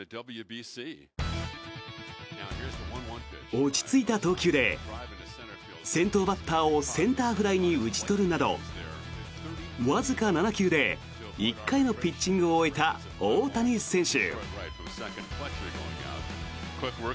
落ち着いた投球で先頭バッターをセンターフライに打ち取るなどわずか７球で１回のピッチングを終えた大谷選手。